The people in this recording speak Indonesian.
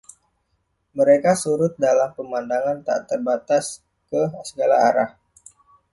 Mereka surut dalam pemandangan tak terbatas ke segala arah.